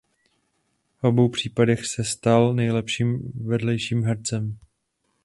V obou případech se stal nejlepším vedlejším hercem.